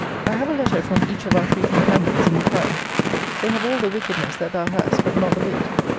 I have a letter from each of our three companions in the time. They have all the wickedness that thou hast, but not the wit.